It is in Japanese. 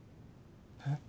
えっ？